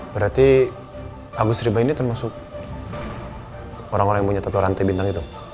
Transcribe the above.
berarti agus riba ini termasuk orang orang yang punya toto rantai bintang itu